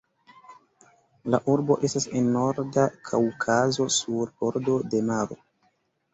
La urbo estas en Norda Kaŭkazo sur bordo de maro.